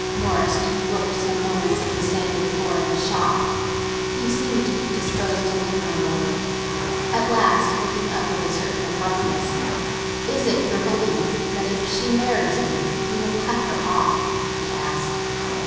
Morris looked some moments at the sanded floor of the shop; he seemed to be disposed to linger a moment. At last, looking up with a certain abruptness, "It is your belief that if she marries me he will cut her off?" he asked.